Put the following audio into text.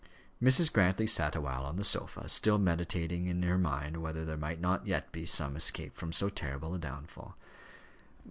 Mrs. Grantly sat awhile on the sofa, still meditating in her mind whether there might not yet be some escape from so terrible a downfall.